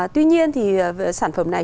tuy nhiên thì sản phẩm này